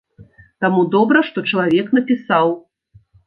Таму добра, што чалавек напісаў.